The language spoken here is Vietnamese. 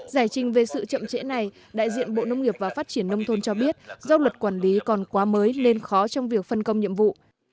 giải trình về sự chậm trễ này đại diện bộ nông nghiệp và phát triển nông thôn cho biết do luật quản lý còn quá mới nên khó trong việc phân công nhiệm vụ